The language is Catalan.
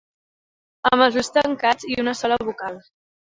Amb els ulls tancats i una sola vocal.